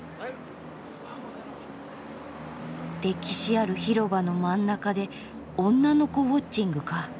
歴史ある広場の真ん中で女の子ウォッチングか。